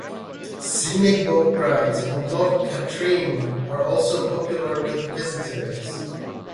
Scenic boat rides on Loch Katrine are also popular with visitors.